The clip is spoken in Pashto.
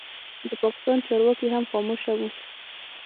د پاکستان چارواکي هم خاموشه وو.